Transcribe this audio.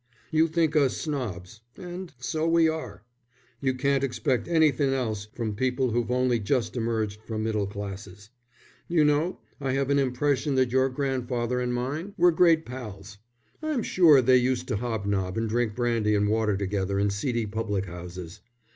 You think us snobs, and so we are. You can't expect anythin' else from people who've only just emerged from the middle classes. You know, I have an impression that your grandfather and mine were great pals. I'm sure they used to hobnob and drink brandy and water together in seedy public houses.